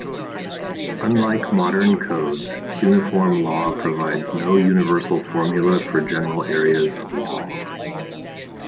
Unlike modern codes, Cuneiform law provides no universal formula for general areas of law.